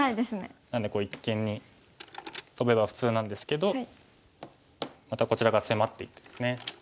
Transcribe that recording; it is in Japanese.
なので一間にトベば普通なんですけどまたこちらが迫っていてですね。